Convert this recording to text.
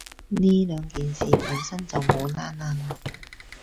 呢兩件事本身就冇拏褦